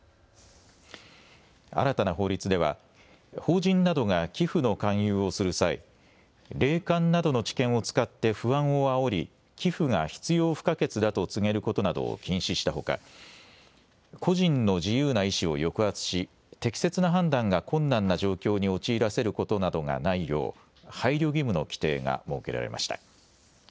新たな法律では法人などが寄付の勧誘をする際、霊感などの知見を使って不安をあおり寄付が必要不可欠だと告げることなどを禁止したほか個人の自由な意思を抑圧し適切な判断が困難な状況に陥らせることなどがないよう配慮義務の規定が設けられました。